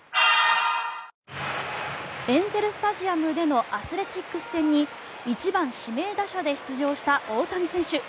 エンゼル・スタジアムでのアスレチックス戦に１番指名打者で出場した大谷選手。